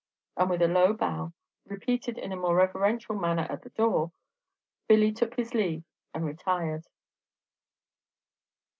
And with a low bow, repeated in a more reverential man ner at the door, Billy took his leave and retired.